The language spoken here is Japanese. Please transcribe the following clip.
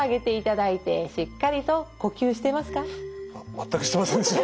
全くしてませんでした。